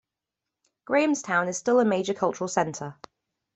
Grahamstown is still a major cultural centre.